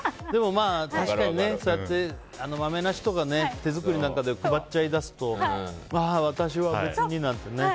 確かに、そうやってまめな人が手作りなんかで配っちゃいだすと私は別になんて。